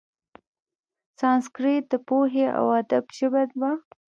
سانسکریت د پوهې او ادب ژبه وه.